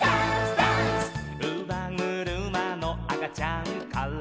「うばぐるまのあかちゃんから」